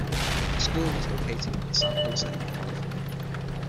The school is located in San Jose, California.